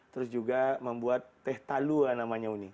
dan juga membuat teh talu ya namanya ini